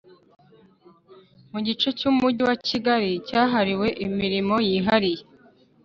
Mu gice cy Umujyi wa Kigali cyahariwe imirimo yihariye